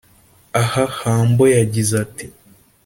Aha Humble yagize ati